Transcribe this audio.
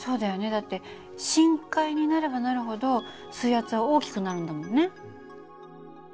だって深海になればなるほど水圧は大きくなるんだもんね。